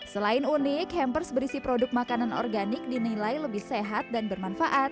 selain unik hampers berisi produk makanan organik dinilai lebih sehat dan bermanfaat